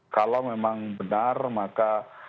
kalau memang benar maksudnya